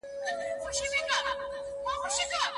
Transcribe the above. ما خو دانه ـ دانه شيندل ستا پر غزل گلونه